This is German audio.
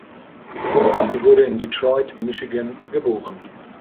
Sie wurde in Detroit, Michigan, geboren.